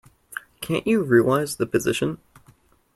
Can't you realize the position?